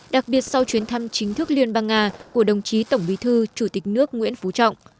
đặc biệt sau chuyến thăm chính thức liên bang nga của đồng chí tổng bí thư chủ tịch nước nguyễn phú trọng